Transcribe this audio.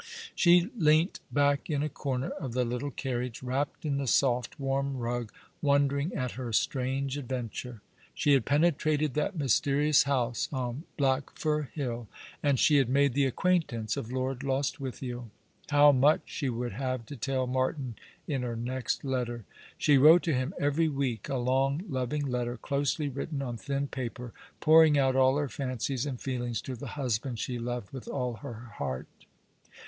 She leant back in a comer of the little carriage, wrapped in the soft, warm rug, wondering at her strange adventure. 1 8 All along the River. She had penetrated that mysterious house on Black fir Hill, and she had made the acquaintance of Lord Lostwithiel. How much she would haye to tell Martin in her next letter ! She wrote to him every week — a long, loving letter, closely written on thin' paper, pouring out all her fancies and feel ings to the husband she loved with all her heart.